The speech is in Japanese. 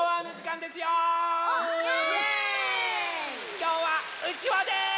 きょうはうちわです！